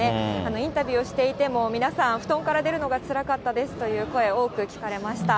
インタビューをしていても、皆さん、布団から出るのがつらかったですという声、多く聞かれました。